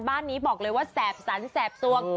บ้านนี้บอกเลยว่าแสบสันแสบสวง